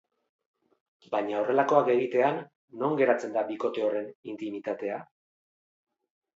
Baina horrelakoak egitean, non geratzen da bikote horren intimitatea?